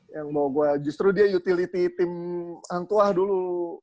yang bawa gue justru dia utility tim hangtuah dulu